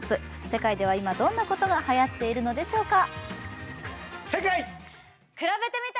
世界では今どんなことがはやっているのでしょうか。